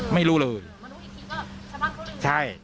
มาดูอีกทีก็ชะวันเขาเลยกัน